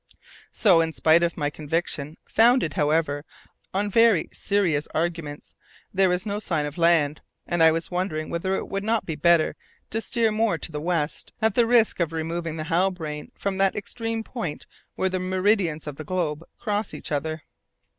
So, in spite of my conviction, founded, however, on very serious arguments, there was no sign of land, and I was wondering whether it would not be better to steer more to the west, at the risk of removing the Halbrane from that extreme point where the meridians of the globe cross each other.